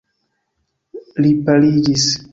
Li paliĝis.